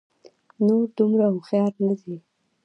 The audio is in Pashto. نور دومره هوښيار نه دي